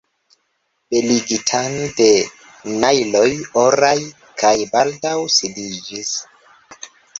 Beligitan de najloj oraj, kaj baldaŭ sidiĝis.